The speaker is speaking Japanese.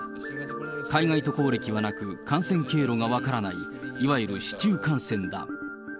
海外渡航歴はなく、感染経路が分からない、いわゆる市中感染だ。